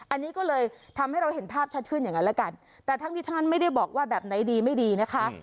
อันนี้ก็เลยทำให้เราเห็นภาพชัดขึ้นอย่างนั้นแล้วกันแต่ทั้งที่ท่านไม่ได้บอกว่าแบบไหนดีไม่ดีนะคะ